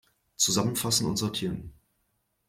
Zusammenfassen und sortieren!